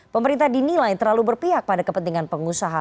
pemerintah dinilai terlalu berpihak pada kepentingan pengusaha